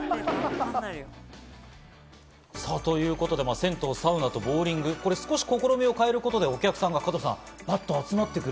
銭湯・サウナとボウリング、少し試みを変えることでお客さんがパッと集まってくる。